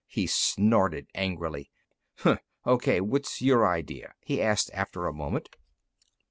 He snorted angrily. "Okay; what's your idea?" he asked after a moment.